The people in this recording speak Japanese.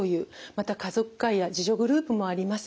また家族会や自助グループもあります。